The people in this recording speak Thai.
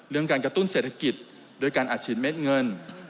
เรื่องการกระตุ้นเศรษฐกิจด้วยการอัดฉีดเม็ดเงิน